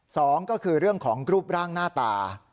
สองก็คือเรื่องของรูปร่างหน้าตา